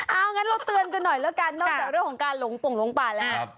เอางั้นเราเตือนกันหน่อยแล้วกันนอกจากเรื่องของการหลงปงหลงป่าแล้ว